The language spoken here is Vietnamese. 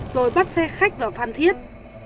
rồi bắt xe khách vào phan thiết